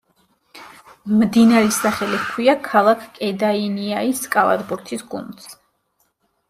მდინარის სახელი ჰქვია ქალაქ კედაინიაის კალათბურთის გუნდს.